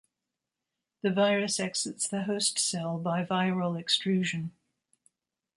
The virus exits the host cell by viral extrusion.